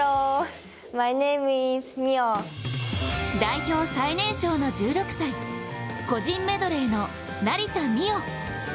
代表最年少の１６歳個人メドレーの成田実生。